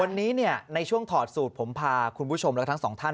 วันนี้ในช่วงถอดสูตรผมพาคุณผู้ชมและทั้งสองท่าน